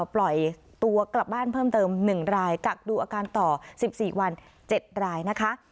ปล่อยตัวกลับบ้านเพิ่มเติม๑รายกักดูอาการต่อ๑๔วัน๗รายนะคะ